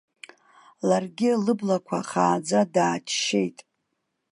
Ларгьы лыблақәа хааӡа дааччеит.